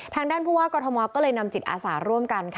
ทางด้านผู้ว่ากรทมก็เลยนำจิตอาสาร่วมกัน